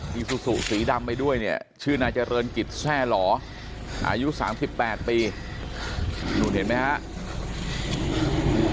ที่สู่สู่สีดำไปด้วยเนี่ยชื่อนาธรรณกิจแทร่หล่ออายุ๓๘ปีเห็นมั้ยครับ